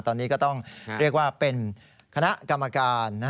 ตอนนี้ก็ต้องเรียกว่าเป็นคณะกรรมการ